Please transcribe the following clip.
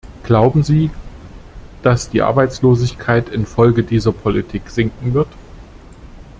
Glauben Sie, dass die Arbeitslosigkeit infolge dieser Politik sinken wird?